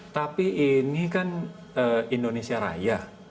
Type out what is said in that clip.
tapi ini kan indonesia raya